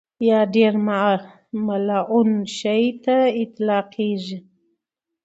یا ډېر ملعون شي ته اطلاقېږي.